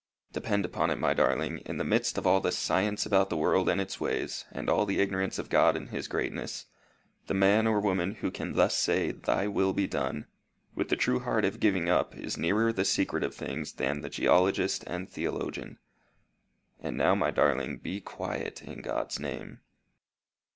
Depend upon it, my darling, in the midst of all the science about the world and its ways, and all the ignorance of God and his greatness, the man or woman who can thus say, Thy will be done, with the true heart of giving up is nearer the secret of things than the geologist and theologian. And now, my darling, be quiet in God's name."